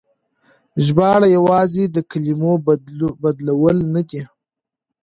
ژباړه يوازې د کلمو بدلول نه دي.